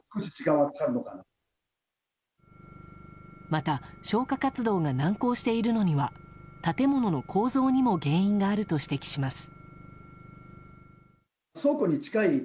また、消火活動が難航しているのには建物の構造にも原因があると指摘します。